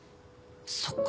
そっか。